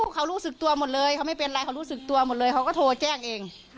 เขารู้สึกตัวหมดเลยเขาไม่เป็นไรเขารู้สึกตัวหมดเลยเขาก็โทรแจ้งเอง